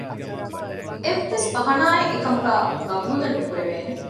އެއްވެސް ބަހަނާއެއް އެކަމުގައި ޤަބޫލެއް ނުކުރެވޭނެ